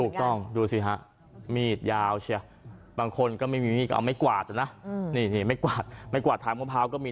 ถูกต้องมีดยาวไหมบางคนก็ไม่มีมีดเอ้าไม่กวาดนะไม่กวาดทานมะพร้าวก็มี